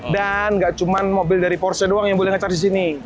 dan enggak cuma mobil dari porsche doang yang boleh nge charge disini